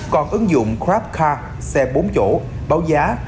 còn ứng dụng grabcar xe bốn chỗ báo giá hai trăm chín mươi tám đồng